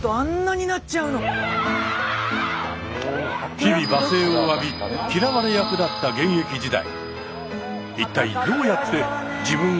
日々罵声を浴び嫌われ役だった現役時代。